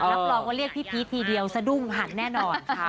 รับรองว่าเรียกพี่พีชทีเดียวสะดุ้งหันแน่นอนค่ะ